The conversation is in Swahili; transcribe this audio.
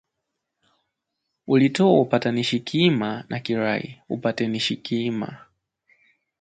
uliotoa upatanishi kiima na kirai upatinishi kiima